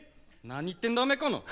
何言ってんだおめえこの。